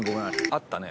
あったね